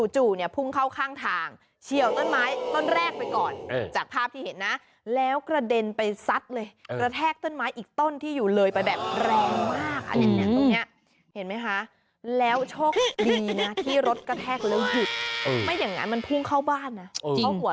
เนี่ยพุ่งเข้าข้างทางเฉียวต้นไม้ต้นแรกไปก่อนจากภาพที่เห็นนะแล้วกระเด็นไปซัดเลยกระแทกต้นไม้อีกต้นที่อยู่เลยไปแบบแรงมากอันนี้ตรงนี้เห็นไหมคะแล้วโชคดีนะที่รถกระแทกแล้วหยุดไม่อย่างนั้นมันพุ่งเข้าบ้านนะ